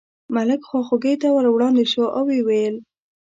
ملک خواخوږۍ ته ور وړاندې شو او یې وویل.